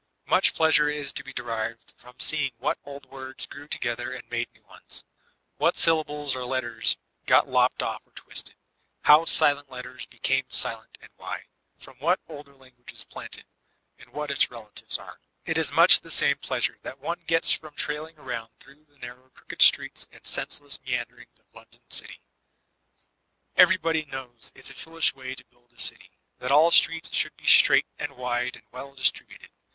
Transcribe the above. Much pleasure is to be derived from seeing what old words grew together and made new ones; what syllables or letters got lopped off or twisted, how silent letters 368 VOLTAISINB DE ClBYEB became silent and why; from what older language planted, and what its relatives are. It is much the same pkasmv that one gets from trailing aromid through the narrow crooked steets and senseless meanderings of London Qty. Everybody knows it's a foolish way to build a city ; that all streets should be straight and wide and well distributed.